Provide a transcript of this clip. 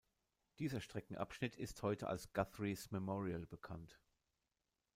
Dieser Streckenabschnitt ist heute als "Guthrie’s Memorial" bekannt.